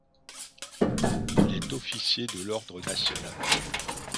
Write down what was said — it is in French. Il est officier de l’Ordre national.